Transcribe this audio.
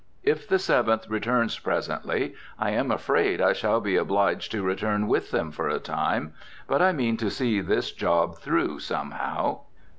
If the Seventh returns presently, I am afraid I shall be obliged to return with them for a time. But I mean to see this job through, somehow."